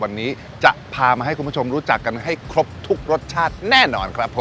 วันนี้จะพามาให้คุณผู้ชมรู้จักกันให้ครบทุกรสชาติแน่นอนครับผม